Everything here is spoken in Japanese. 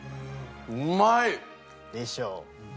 うまい！でしょ？